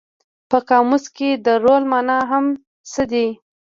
په قاموس کې د رول مانا هغه څه دي.